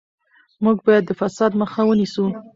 موږ باید د فساد مخه ونیسو.